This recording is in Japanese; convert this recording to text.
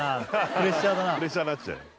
プレッシャーになっちゃう。